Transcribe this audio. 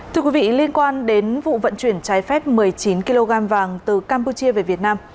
thưa quý vị liên quan đến vụ vận chuyển trái phép một mươi chín kg vàng từ campuchia về việt nam